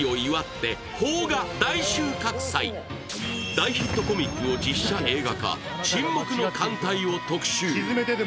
大ヒットコミックを実写映画化「沈黙の艦隊」を特集。